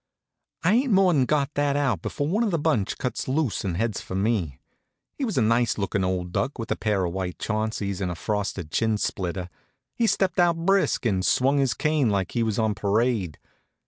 I ain't more'n got that out before one of the bunch cuts loose and heads for me. He was a nice lookin' old duck, with a pair of white Chaunceys and a frosted chin splitter. He stepped out brisk and swung his cane like he was on parade.